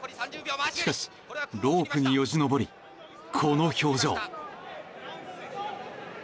しかし、ロープによじ登りこの表情。